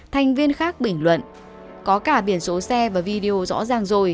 thành viên khác bình luận có cả biển số xe và video rõ ràng rồi